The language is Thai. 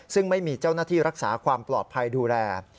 ซึ่งไม่มีเจ้าหน้าที่รักษาความปลอดภัยดูแล